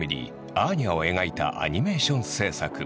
アーニャを描いたアニメーション制作。